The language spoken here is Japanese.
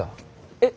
えっ？